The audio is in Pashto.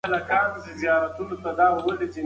ده درک کړه چې غږ د ده له خپلو افکارو راوتلی و.